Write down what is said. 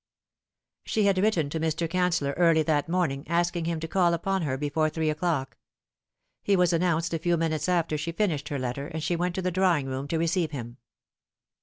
She had written to Mr. Canceller early that morning, asking him to call upon her before three o'clock. He was announced a few minutes after she finished her letter, and she went to the drawing room to receive him.